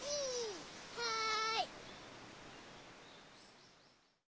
はい！